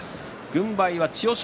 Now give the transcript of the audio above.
軍配は千代翔